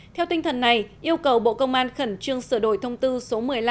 theo tinh thần này yêu cầu bộ công an khẩn trương sửa đổi thông tư số một mươi năm